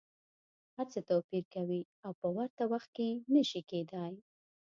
هر څه توپیر کوي او په ورته وخت کي نه شي کیدای.